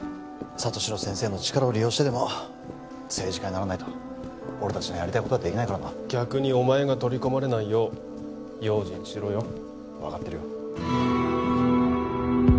里城先生の力を利用してでも政治家にならないと俺達のやりたいことはできないからな逆にお前が取り込まれないよう用心しろよ分かってるよ